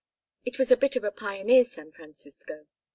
It was a bit of pioneer San Francisco.